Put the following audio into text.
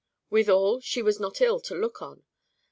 Withal, she was not ill to look on.